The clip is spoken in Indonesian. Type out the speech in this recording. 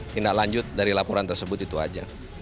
tindak lanjut dari laporan tersebut itu aja